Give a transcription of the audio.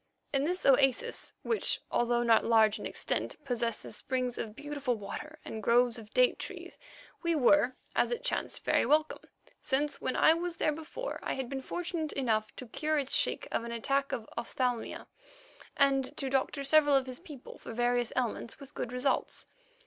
In this oasis, which, although not large in extent, possesses springs of beautiful water and groves of date trees, we were, as it chanced, very welcome, since when I was there before, I had been fortunate enough to cure its sheik of an attack of ophthalmia and to doctor several of his people for various ailments with good results.